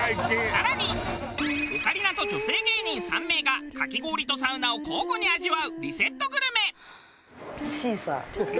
更にオカリナと女性芸人３名がかき氷とサウナを交互に味わうリセットグルメ。